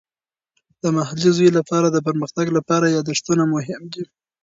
د محلي زوی لپاره د پرمختګ لپاره یادښتونه مهم دي.